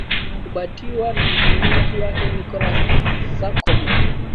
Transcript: umbatiwa na mwenyeji wake nicolas sarkozy